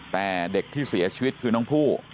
แต่เด็กที่เสียชีวิตคือน้องผู้